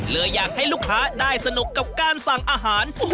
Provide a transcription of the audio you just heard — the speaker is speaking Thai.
เลยอยากให้ลูกค้าได้สนุกกับการสั่งอาหาร